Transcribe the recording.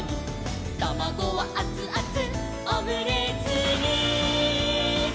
「たまごはあつあつオムレツに」